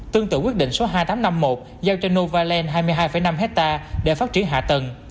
tương tự quyết định số hai nghìn tám trăm năm mươi một giao cho novaland hai mươi hai năm hectare để phát triển hạ tầng